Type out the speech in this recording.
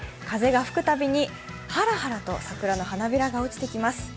風が吹くたびに、はらはらと桜の花びらが落ちてきます。